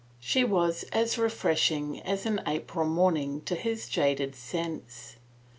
She was as refreshing as an April morning to his jaded sense.